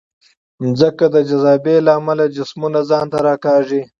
ځمکه د جاذبې له امله جسمونه ځان ته راکاږي.